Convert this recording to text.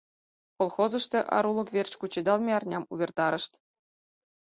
Колхозышто арулык верч кучедалме арням увертарышт.